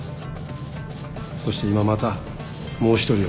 そして今またもう一人を。